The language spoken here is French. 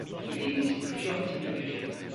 Il existe plusieurs types de pick-up.